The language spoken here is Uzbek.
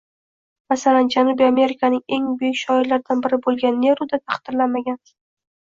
Masalan, Janubiy Amerikaning eng buyuk shoirlaridan biri bo‘lgan Neruda taqdirlanmagan